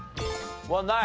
ない？